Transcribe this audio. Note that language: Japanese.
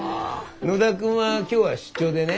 野田君は今日は出張でね。